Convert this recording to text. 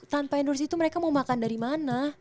tanpa endorse itu mereka mau makan dari mana